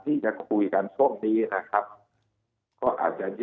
แต่คิดว่าราคาทองความกลายกันไม่ไกล